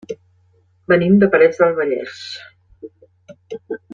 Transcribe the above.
Venim de Parets del Vallès.